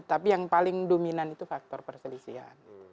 tapi yang paling dominan itu faktor perselisihan